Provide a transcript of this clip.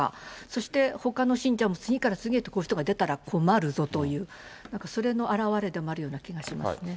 そして、ほかの信者も次から次へとこういう人が出たら困るぞという、なんかそれの表れでもあるような気がしますね。